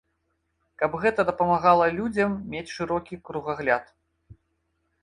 Каб гэта дапамагала людзям мець шырокі кругагляд.